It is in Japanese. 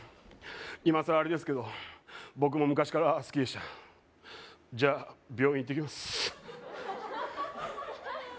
いまさらあれですけど僕も昔から好きでしたじゃあ病院行ってきます